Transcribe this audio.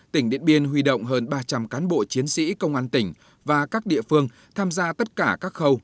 tỉnh điện biên huy động hơn ba trăm linh cán bộ chiến sĩ công an tỉnh và các địa phương tham gia tất cả các khâu